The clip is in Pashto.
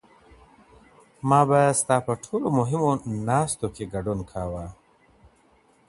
ما به ستا په ټولو مهمو ناستو کې ګډون کاوه.